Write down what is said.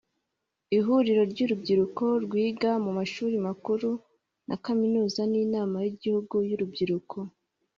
ihuririro ry urubyiruko rwiga mu mashuri makuru na kaminuza n’inama y’igihugu y’urubyiruko